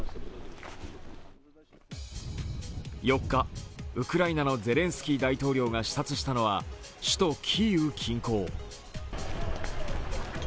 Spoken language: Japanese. ４日、ウクライナのゼレンスキー大統領が視察したのは、首都キーウ近郊。